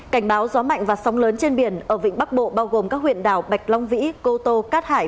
cảnh báo gió mạnh và sóng lớn trên biển ở vịnh bắc bộ bao gồm các huyện đảo bạch long vĩ cô tô cát hải